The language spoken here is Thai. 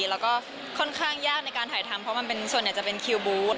แล้วก็ค่อนข้างยากในการถ่ายทำเพราะมันเป็นส่วนใหญ่จะเป็นคิวบูธ